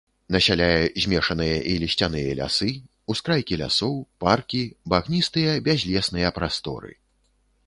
Насяляе змешаныя і лісцяныя лясы, ускрайкі лясоў, паркі, багністыя бязлесныя прасторы.